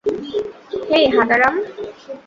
হেই, হাঁদারাম!